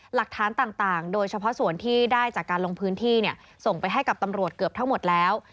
หลักฐานต่างโดยเฉพาะส่วนที่ได้จากการลงพื้นที่ส่งไปให้กับตำรวจเกือบทั้งหมดแล้ว